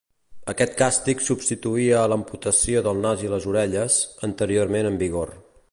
Aquest càstig substituïa a l'amputació del nas i les orelles, anteriorment en vigor.